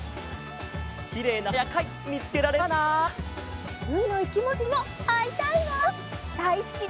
きれいなさかなやかいみつけられるかな？